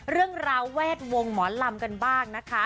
เรื่องราวแวดวงหมอลำกันบ้างนะคะ